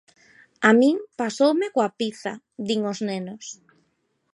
A min pasoume coa pizza, din os nenos.